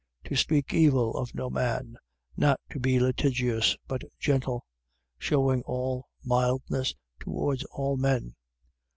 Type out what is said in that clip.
3:2. To speak evil of no man, not to be litigious but gentle: shewing all mildness towards all men.